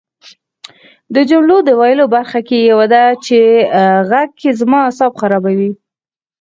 د جملو د ویلو برخه کې یوه ده چې غږ کې زما اعصاب خرابوي